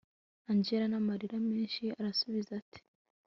angella namarira menshi arasubiza ati